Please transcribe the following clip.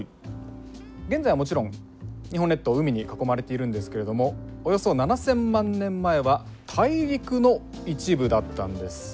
現在はもちろん日本列島海に囲まれているんですけれどもおよそ７，０００万年前は大陸の一部だったんです。